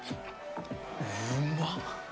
うまっ！